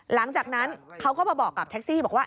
หลังจากนั้นเขาก็มาบอกกับแท็กซี่บอกว่า